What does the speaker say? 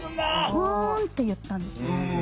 「うん」って言ったんですよ。